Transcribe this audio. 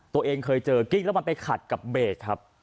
ตัวเองเคยเจอกิ้งแล้วมันไปขัดกับเบรกครับ